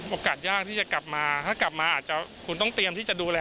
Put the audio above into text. โอกาสยากที่จะกลับมาถ้ากลับมาอาจจะคุณต้องเตรียมที่จะดูแล